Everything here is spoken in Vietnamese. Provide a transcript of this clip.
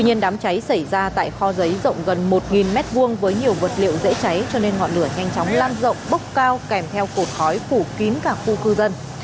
tuy nhiên đám cháy xảy ra tại kho giấy rộng gần một m hai với nhiều vật liệu dễ cháy cho nên ngọn lửa nhanh chóng lan rộng bốc cao kèm theo cột khói phủ kín cả khu cư dân